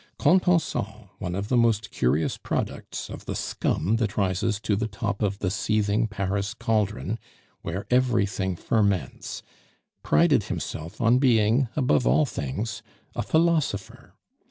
Contenson, one of the most curious products of the scum that rises to the top of the seething Paris caldron, where everything ferments, prided himself on being, above all things, a philosopher.